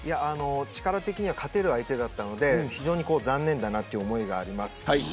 力的には勝てる相手だったので残念だなという思いがあります。